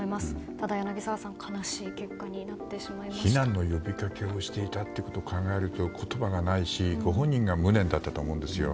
ただ、柳澤さん、悲しい結果に避難の呼びかけをしていたということを考えると言葉がないしご本人が無念だったと思うんですよ。